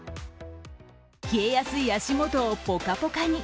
冷えやすい足元をぽかぽかに。